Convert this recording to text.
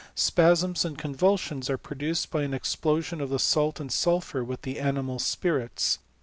Spasms and convulsions M produced by an explosion of the salt and sulpfaov with the animal spirits.